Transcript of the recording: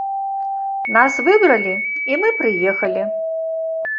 Нас выбралі, і мы прыехалі.